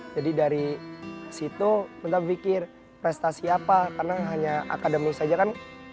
jadi dari situ genta berpikir prestasi apa karena hanya akademis saja kan